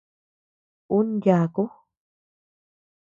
Un yaku.